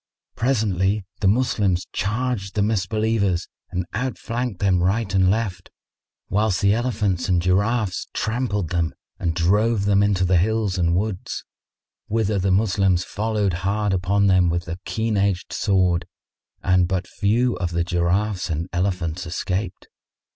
Presently the Moslems charged the Misbelievers and outflanked them right and left, whilst the elephants and giraffes trampled them and drove them into the hills and wolds, whither the Moslems followed hard upon them with the keen edged sword and but few of the giraffes and elephants escaped.